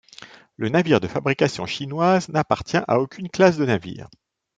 Le navire de fabrication chinoise n'appartient à aucune classe de navire.